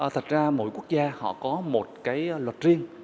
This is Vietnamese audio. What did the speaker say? thật ra mỗi quốc gia họ có một cái luật riêng